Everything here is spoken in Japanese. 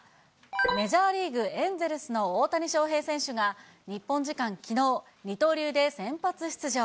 メジャーリーグ・エンゼルスの大谷翔平選手が、日本時間きのう、二刀流で先発出場。